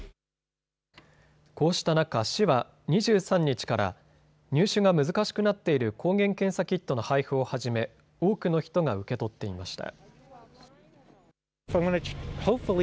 こうした中、市は２３日から入手が難しくなっている抗原検査キットの配布を始め多くの人が受け取っていました。